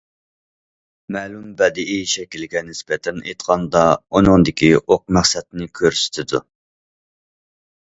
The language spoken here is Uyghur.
مەلۇم بەدىئىي شەكىلگە نىسبەتەن ئېيتقاندا، ئۇنىڭدىكى ئوق مەقسەتنى كۆرسىتىدۇ.